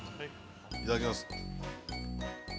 ◆いただきます。